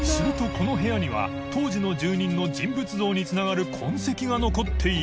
この部屋には当時の住人の人物像につながる廚弔辰討い拭飯尾）